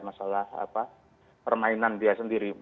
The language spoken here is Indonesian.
masalah permainan dia sendiri